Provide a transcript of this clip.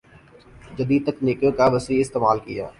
جدید تکنیکوں کا وسیع استعمال کِیا